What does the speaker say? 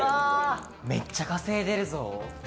めっちゃ稼いでるぞ。